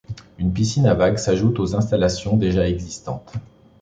Une piscine à vagues s'ajoute aux installations déjà existantes.